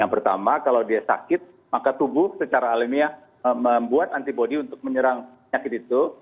yang pertama kalau dia sakit maka tubuh secara alamiah membuat antibody untuk menyerang penyakit itu